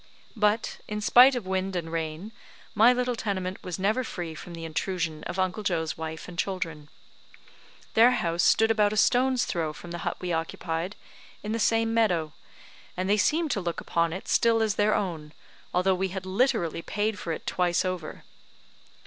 But, in spite of wind and rain, my little tenement was never free from the intrusion of Uncle Joe's wife and children. Their house stood about a stone's throw from the hut we occupied, in the same meadow, and they seemed to look upon it still as their own, although we had literally paid for it twice over.